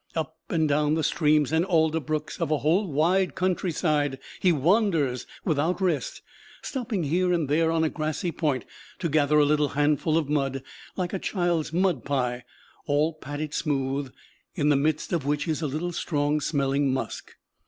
Up and down the streams and alder brooks of a whole wild countryside he wanders without rest, stopping here and there on a grassy point to gather a little handful of mud, like a child's mud pie, all patted smooth, in the midst of which is a little strong smelling musk.